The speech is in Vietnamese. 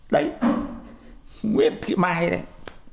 đấy nguyễn thị mai đấy